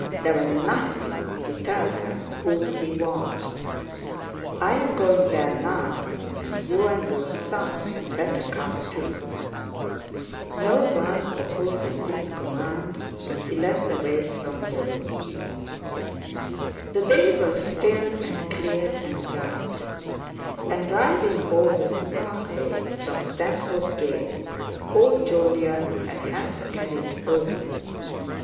There was nothing to tell them who he was. I am going there now; you and your son had better come too." No one opposing this command he led the way from the room. The day was still and clear and bright, and driving over to Park Lane from Stanhope Gate, old Jolyon had had the carriage open.